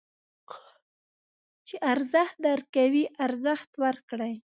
چې ارزښت درکوي، ارزښت ورکړئ.